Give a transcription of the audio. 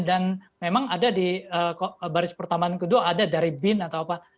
dan memang ada di baris pertambahan kedua ada dari bin atau apa